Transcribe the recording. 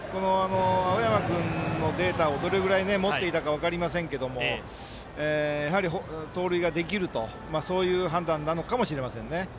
青山君のデータをどれぐらい持っていたか分かりませんがやはり盗塁ができるという判断なのかもしれませんね。